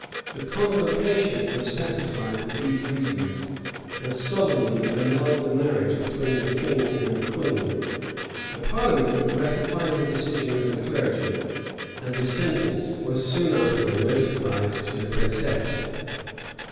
The convocation was satisfied with these reasons, and solemnly annulled the marriage between the king and queen: the parliament ratified the decision of the clergy;[] and the sentence was soon after notified to the princess.